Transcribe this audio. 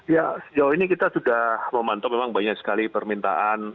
ya sejauh ini kita sudah memantau memang banyak sekali permintaan